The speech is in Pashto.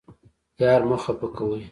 یار مه خفه کوئ